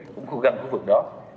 cũng khu găng khu vực đó